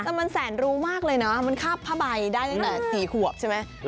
แต่มันแสนรู้มากเลยนะมันคาบผ้าใบได้ตั้งแต่๔ขวบใช่ไหม